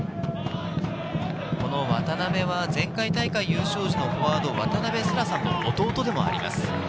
この渡邊は前回大会優勝時のフォワード・渡邊星来さんの弟でもあります。